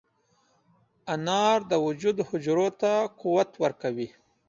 انار د وجود حجرو ته قوت ورکوي.